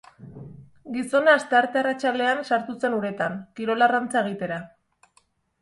Gizona astearte arratsaldean sartu zen uretan, kirol-arrantza egitera.